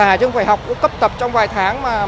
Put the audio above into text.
chứ không phải học cũng cấp tập trong vài tháng